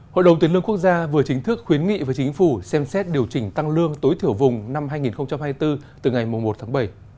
hội đồng tiền lương quốc gia vừa chính thức khuyến nghị với chính phủ xem xét điều chỉnh tăng lương tối thiểu vùng năm hai nghìn hai mươi bốn từ ngày một tháng bảy